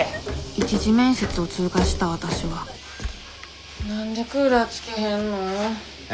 一次面接を通過したわたしは何でクーラーつけへんの？え？